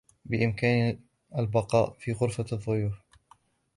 بإمكاني البقاء في غرفة الضيوف.